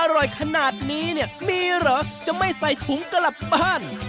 อร่อยขนาดนี้เนี่ยมีเหรอจะไม่ใส่ถุงกลับบ้าน